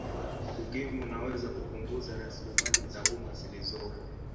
ukimwi unaweza kupunguza raslimali za umma zilizopo